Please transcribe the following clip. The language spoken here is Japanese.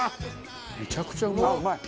めちゃくちゃうまい。